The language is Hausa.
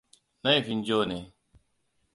Laifin joe ne.